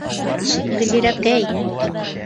Гөллирәкәй!